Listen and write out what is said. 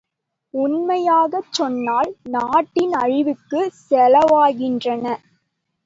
உண்மையாகச் சொன்னால் நாட்டின் அழிவுக்குச் செலவாகின்றன!